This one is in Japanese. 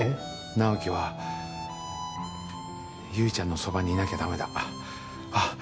直木は悠依ちゃんのそばにいなきゃダメだあっ